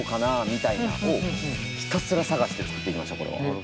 みたいなんをひたすら探して作っていきましたこれは。